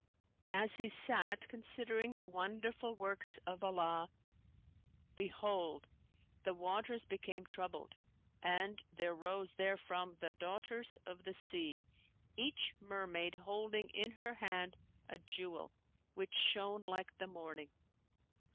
As he sat considering the wonderful works of Allah behold, the waters became troubled, and there rose therefrom the daughters of the sea, each mermaid holding in her hand a jewel which shone like the morning.